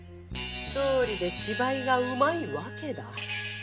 どうりで芝居がうまいわけだ。